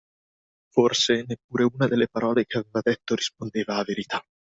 Forse, neppure una delle parole che aveva dette rispondeva a verità.